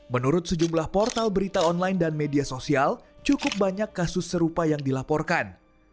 menurut sejumlah portal berita online dan media sosial cukup banyak kasus serupa yang dilaporkan